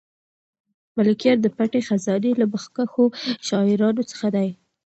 ملکیار د پټې خزانې له مخکښو شاعرانو څخه دی.